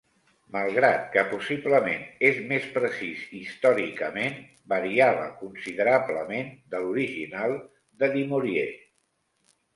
Malgrat que possiblement és més precís històricament, variava considerablement de l'original de Du Maurier.